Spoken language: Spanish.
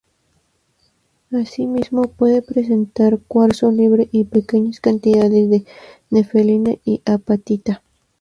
Asimismo puede presentar cuarzo libre y pequeñas cantidades de nefelina y apatita.